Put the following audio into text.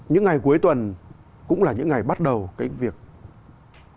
những ngày cuối tuần cũng là những ngày bắt đầu cái việc các đại biểu đi tiếp xúc